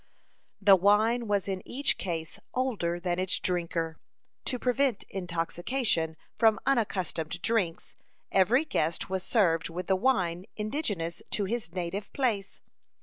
The wine was in each case older than its drinker. To prevent intoxication from unaccustomed drinks, every guest was served with the wine indigenous to his native place.